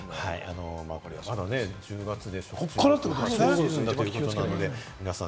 まだ１０月でこれからということで、皆さん